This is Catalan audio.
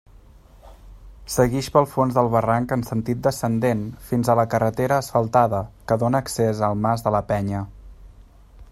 Seguix pel fons del barranc en sentit descendent fins a la carretera asfaltada que dóna accés al Mas de la Penya.